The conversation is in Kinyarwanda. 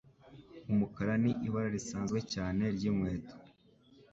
Umukara ni ibara risanzwe cyane ryinkweto.